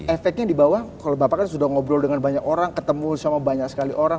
efeknya di bawah kalau bapak kan sudah ngobrol dengan banyak orang ketemu sama banyak sekali orang